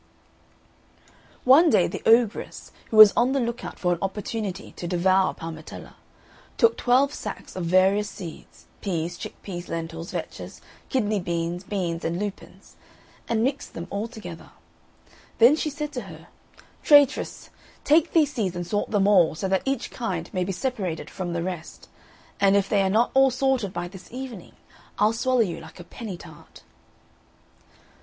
One day the ogress, who was on the look out for an opportunity to devour Parmetella, took twelve sacks of various seeds peas, chick peas, lentils, vetches, kidney beans, beans, and lupins and mixed them all together; then she said to her, "Traitress, take these seeds and sort them all, so that each kind may be separated from the rest; and if they are not all sorted by this evening, I'll swallow you like a penny tart."